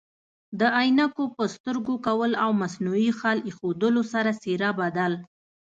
د عینکو په سترګو کول او مصنوعي خال ایښودلو سره څیره بدل